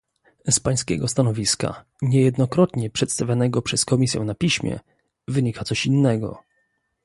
Z Pańskiego stanowiska - niejednokrotnie przedstawianego przez Komisję na piśmie - wynika coś innego